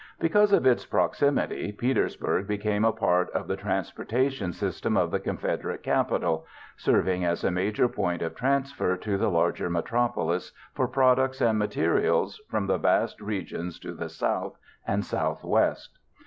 Because of its proximity, Petersburg became a part of the transportation system of the Confederate capital, serving as a major point of transfer to the larger metropolis for products and materials from the vast regions to the south and southwest.